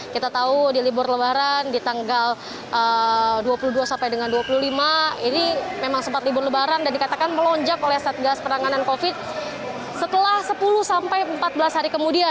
kita tahu di libur lebaran di tanggal dua puluh dua sampai dengan dua puluh lima ini memang sempat libur lebaran dan dikatakan melonjak oleh satgas penanganan covid sembilan belas setelah sepuluh sampai empat belas hari kemudian